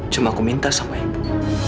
cuma aku minta sama ibu